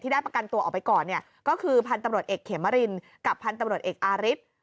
ได้ประกันตัวออกไปก่อนเนี่ยก็คือพันธุ์ตำรวจเอกเขมรินกับพันธุ์ตำรวจเอกอาริส